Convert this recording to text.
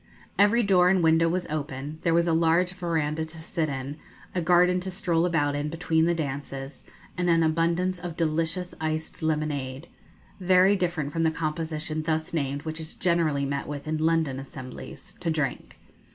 Every door and window was open, there was a large verandah to sit in, a garden to stroll about in between the dances, and an abundance of delicious iced lemonade very different from the composition thus named which is generally met with in London assemblies to drink.